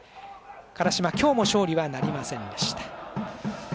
辛島、今日も勝利はなりませんでした。